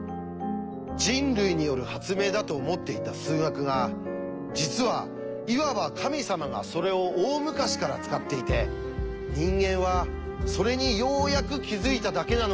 人類による発明だと思っていた数学が実はいわば神様がそれを大昔から使っていて人間はそれにようやく気付いただけなのかもしれない。